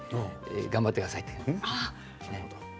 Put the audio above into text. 頑張ってください。